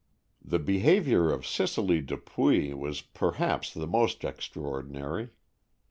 The behavior of Cicely Dupuy was perhaps the most extraordinary.